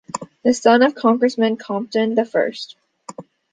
The son of Congressman Compton the First.